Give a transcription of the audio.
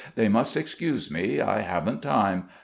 They must excuse me. I haven't time.